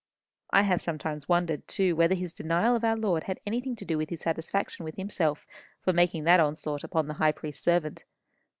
I have sometimes wondered, too, whether his denial of our Lord had anything to do with his satisfaction with himself for making that onslaught upon the high priest's servant.